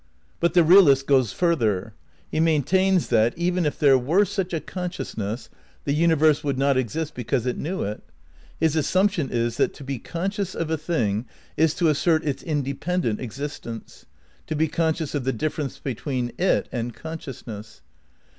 But the realist goes further. He maintains that, even if there were such a consciousness, the universe would not exist because it knew it. His assumption is that to be conscious of a thing is to assert its independent existence, to be conscious of the difference between it and consciousness.